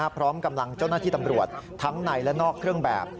พร้อมกำลังเจ้าหน้าที่ตำรวจทั้งในและนอกเครื่องแบบ